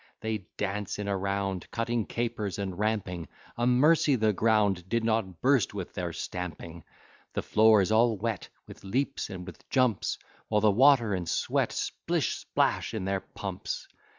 They dance in a round, Cutting capers and ramping; A mercy the ground Did not burst with their stamping. The floor is all wet With leaps and with jumps, While the water and sweat Splish splash in their pumps.